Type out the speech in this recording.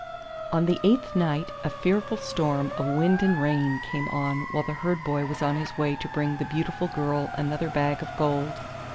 On the eighth night a fearful storm of wind and rain came on while the Herd boy was on his way to bring the beautiful girl another bag of gold.